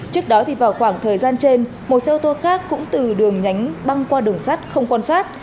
trước đó thì vào khoảng thời gian trên một xe ô tô khác cũng từ đường nhánh băng qua đường sắt không quan sát